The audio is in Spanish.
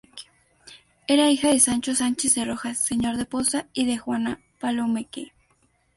Era hija de Sancho Sánchez de Rojas, señor de Poza, y de Juana Palomeque.